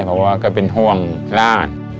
เพราะว่าก็เป็นห่วงญาติ